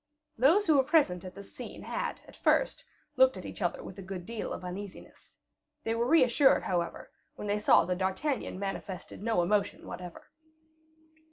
Those who were present at this scene had, at first, looked at each other with a good deal of uneasiness. They were reassured, however, when they saw that D'Artagnan manifested no emotion whatever.